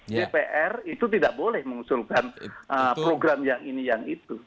dpr itu tidak boleh mengusulkan program yang ini yang itu